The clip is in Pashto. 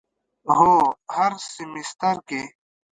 هو، هر سیمیستر کی